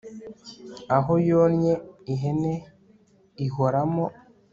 aho yonnye (ihene) ihoramo